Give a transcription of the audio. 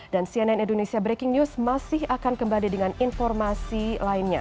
dan cnn indonesia breaking news masih akan kembali dengan informasi lainnya